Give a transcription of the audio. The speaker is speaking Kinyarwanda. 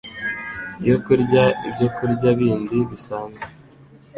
yo kurya ibyokurya bindi bisanzwe.